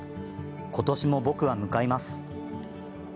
今年も僕は向かいます。